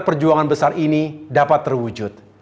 perjuangan besar ini dapat terwujud